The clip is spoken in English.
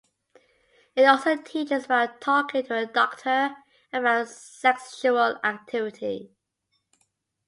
It also teaches about talking to a doctor about sexual activity.